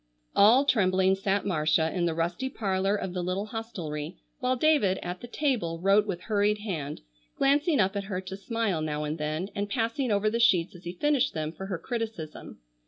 All trembling sat Marcia in the rusty parlor of the little hostelry, while David at the table wrote with hurried hand, glancing up at her to smile now and then, and passing over the sheets as he finished them for her criticism.